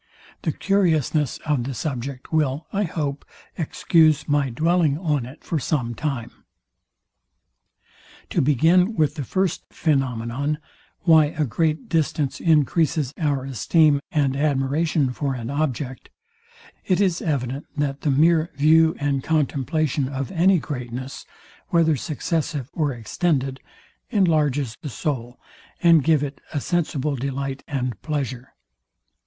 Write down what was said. The curiousness of the subject will, I hope, excuse my dwelling on it for some time. To begin with the first phænomenon, why a great distance encreases our esteem and admiration for an object; it is evident that the mere view and contemplation of any greatness, whether successive or extended, enlarges the soul, and give it a sensible delight and pleasure.